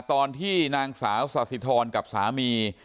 ตอนที่นางสาวสาธิธรกับสามี